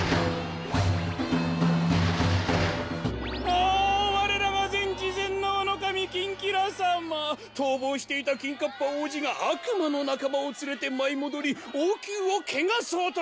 おおわれらがぜんちぜんのうのかみキンキラさま！とうぼうしていたキンカッパ王子があくまのなかまをつれてまいもどりおうきゅうをけがそうとしました。